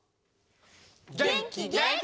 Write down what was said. げんきげんき！